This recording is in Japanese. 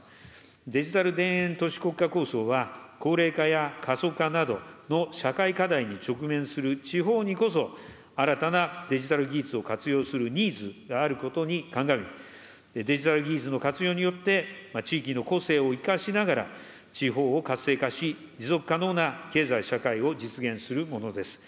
デジタル田園都市国家構想は、高齢化や過疎化などの社会課題に直面する地方にこそ、新たなデジタル技術を活用するニーズがあることに鑑み、デジタル技術の活用によって、地域の個性を生かしながら、地方を活性化し、持続可能な経済社会を実現するものです。